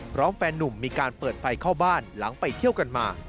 แฟนนุ่มมีการเปิดไฟเข้าบ้านหลังไปเที่ยวกันมา